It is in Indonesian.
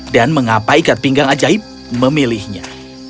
dan mengapa ikat pinggang ajaib memilihnya